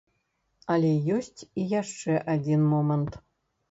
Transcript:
Але ёсць і яшчэ адзін момант.